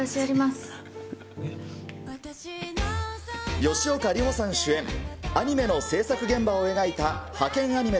吉岡里帆さん主演、アニメの制作現場を描いたハケンアニメ！